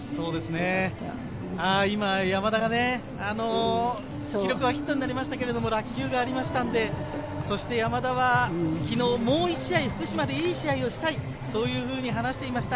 今、山田が記録はヒットになりましたけど落球がありましたので、山田は昨日ももう１試合、福島でいい試合をしたいと話していました。